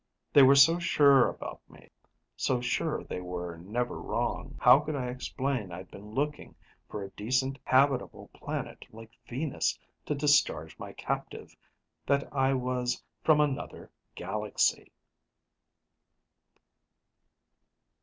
They were so sure about me so sure they were never wrong. How could I explain I'd been looking for a decent, habitable planet like Venus to discharge my captive, that I was from another galaxy?